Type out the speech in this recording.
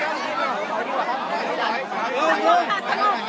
อาจารย์อาจารย์กลับอ้อนไปนะครับ